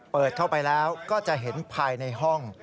เปิดเข้าไปแล้วก็จะเห็นภายในห้อง